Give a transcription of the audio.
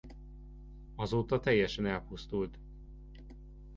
Azóta teljesen elpusztult.